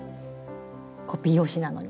コピー用紙なのに。